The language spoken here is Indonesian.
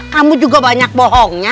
kamu juga banyak bohongnya